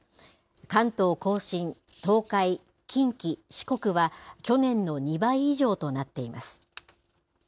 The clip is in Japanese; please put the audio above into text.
関東甲信、東海、近畿、四国は去年の２倍以上となっています。